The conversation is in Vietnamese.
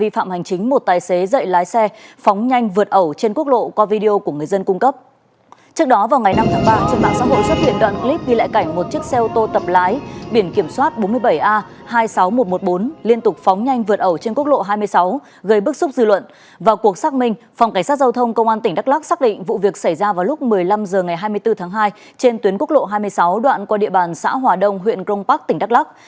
phòng cảnh sát giao thông công an tỉnh đắk lắk xác định vụ việc xảy ra vào lúc một mươi năm h ngày hai mươi bốn tháng hai trên tuyến quốc lộ hai mươi sáu đoạn qua địa bàn xã hòa đông huyện grong park tỉnh đắk lắk